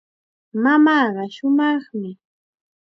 Mamaaqa shumaqmi.